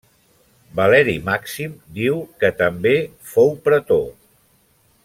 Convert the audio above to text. Valeri Màxim diu que també fou pretor.